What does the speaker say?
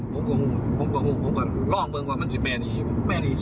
ผมก็งงผมก็ล่องเริ่มว่ามันจะแม่นี้